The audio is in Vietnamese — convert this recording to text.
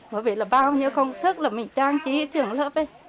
bởi vì bao nhiêu công sức mình trang trí trường lớp